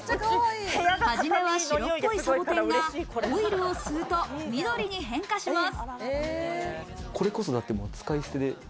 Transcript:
初めは白っぽいサボテンがオイルを吸うと、緑に変化します。